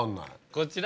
こちら。